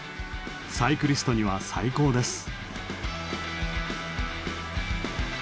サイクリストには最高です。